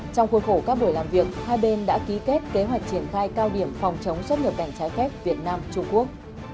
trong khuôn khổ các buổi làm việc hai bên đã ký kết kế hoạch triển khai cao điểm phòng chống xuất nhập cảnh trái phép việt nam trung quốc